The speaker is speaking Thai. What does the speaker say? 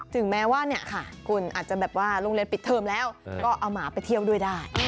ถึงแม้ว่าคุณอาจจะลงเรียนปิดเทอมแล้วก็เอาหมาไปเที่ยวด้วยได้